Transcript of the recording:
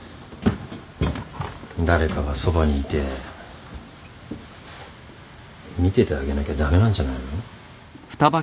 誰かがそばにいて見ててあげなきゃ駄目なんじゃないの？